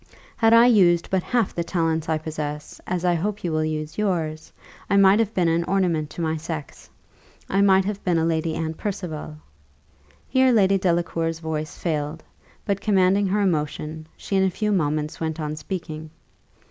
Had I used but half the talents I possess, as I hope you will use yours, I might have been an ornament to my sex I might have been a Lady Anne Percival." Here Lady Delacour's voice failed; but commanding her emotion, she in a few moments went on speaking.